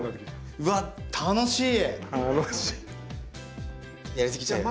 うわっ楽しい！